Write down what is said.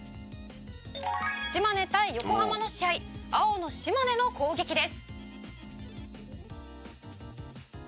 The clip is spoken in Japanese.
「島根対横浜の試合」「青の島根の攻撃です」